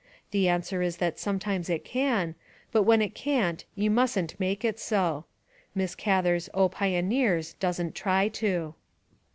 The answer is that sometimes it can, but when it can't you mustn't make it so. Miss Gather's O Pioneers! doesn't try to.